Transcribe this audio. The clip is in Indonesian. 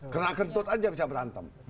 karena kentut aja bisa berantem